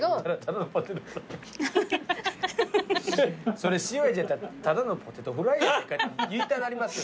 それ塩味やったら「ただのポテトフライやないかい」って言いたなりますよ